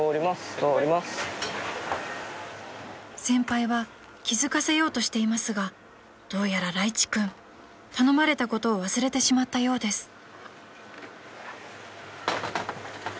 ［先輩は気付かせようとしていますがどうやら楽壱君頼まれたことを忘れてしまったようです］